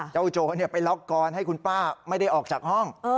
โจรไปล็อกกอนให้คุณป้าไม่ได้ออกจากห้อง